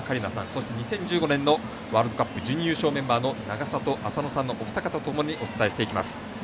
そして、２０１５年ワールドカップの準優勝メンバーの永里亜紗乃さんのお二方とともにお伝えしていきます。